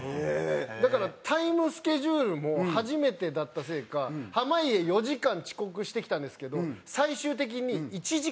だからタイムスケジュールも初めてだったせいか濱家４時間遅刻してきたんですけど最終的に１時間巻いて終わったんですよ。